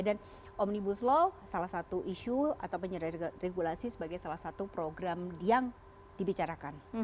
dan omnibus law salah satu isu atau penyerah regulasi sebagai salah satu program yang dibicarakan